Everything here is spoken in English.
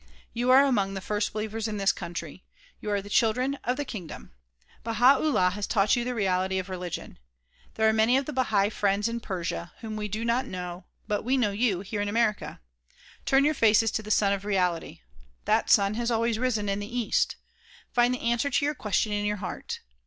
You are among the first believers in this country. You are the children of the kingdom. Baha 'Ullah has taught you the reality of religion. There are many of the Bahai Friends in Persia whom we do not know but we know you here in America. Turn your faces to the Sun of Reality. That Sun has always risen in the east. Find the answer to your questions in your heart.